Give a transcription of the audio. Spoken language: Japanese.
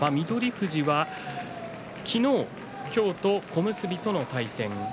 富士は昨日、今日と小結との対戦。